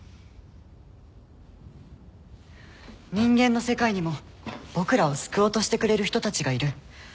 人間の世界にも僕らを救おうとしてくれる人たちがいる。